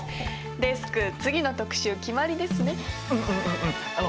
デスク次の特集決まりですね。